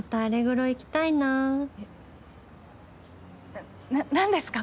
なな何ですか？